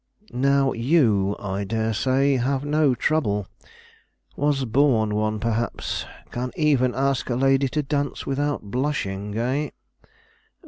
"Now you, I dare say, have no trouble? Was born one, perhaps. Can even ask a lady to dance without blushing, eh?"